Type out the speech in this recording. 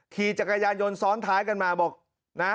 ขี่จักรยานยนต์ซ้อนท้ายกันมาบอกนะ